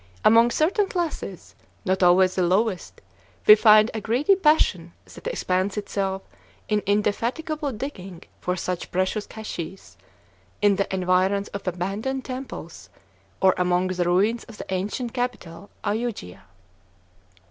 Among certain classes, not always the lowest, we find a greedy passion that expends itself in indefatigable digging for such precious caches, in the environs of abandoned temples, or among the ruins of the ancient capital, Ayudia.